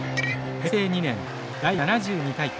平成２年第７２回大会。